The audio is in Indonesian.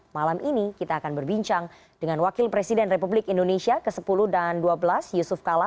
malam ini kita akan berbincang dengan wakil presiden republik indonesia ke sepuluh dan ke dua belas yusuf kala